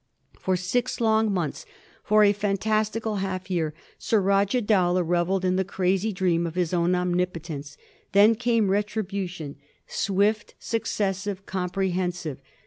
For six long months, for a fantastical half year, Surajah Dowlah revelled in the crazy dream of his own omnipo tence. Then came retribution, swift, successive, compre hensive.